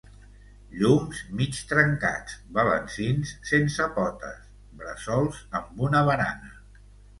Llums mig trencats, balancins sense potes, bressols amb una barana.